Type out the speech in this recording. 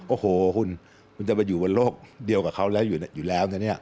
โอ้โฮคุณจะมาอยู่บนโลกเดียวกับเขาอยู่แล้ว